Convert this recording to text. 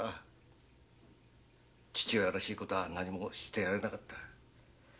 父親らしいことは何もしてやれなかった。